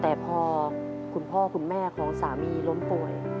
แต่พอคุณพ่อคุณแม่ของสามีล้มป่วย